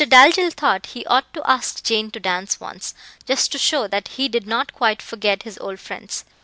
Dalzell thought he ought to ask Jane to dance once, just to show that he did not quite forget his old friends.